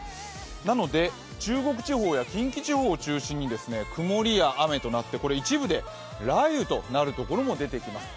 なので、中国地方や近畿地方を中心に雨となって、一部で雷雨となるところも出てきます。